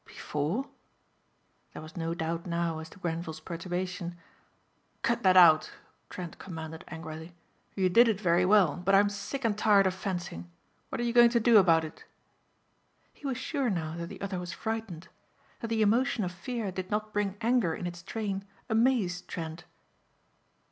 "Before?" There was no doubt now as to Grenvil's perturbation. "Cut that out," Trent commanded angrily. "You did it very well, but I'm sick and tired of fencing. What are you going to do about it?" He was sure now that the other was frightened. That the emotion of fear did not bring anger in its train amazed Trent.